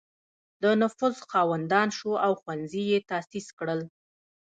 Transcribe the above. د نفوذ خاوند شو او ښوونځي یې تأسیس کړل.